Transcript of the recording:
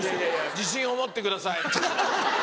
自信を持ってください。ハハハ。